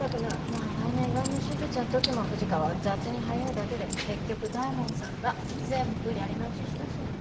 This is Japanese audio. まあ前の胃癌の手術の時も富士川は雑に早いだけで結局大門さんが全部やり直ししたしね。